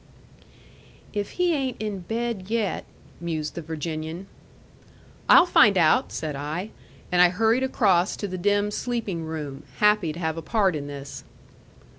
"If he ain't in bed yet " mused the Virginian. "I'll find out," said I. And I hurried across to the dim sleeping room, happy to have a part in this.